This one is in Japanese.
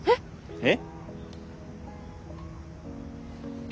えっ。